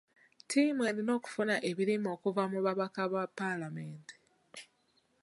Ttiimu erina okufuna ebirime okuva mu babaka ba paalamenti.